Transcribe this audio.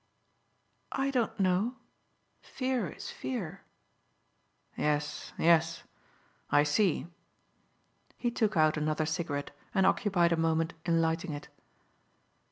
"I don't know. Fear is fear." "Yes, yes I see." He took out another cigarette and occupied a moment in lighting it.